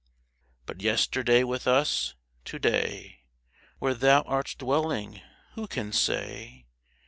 But yesterday with us. To day Where thou art dwelling, who can say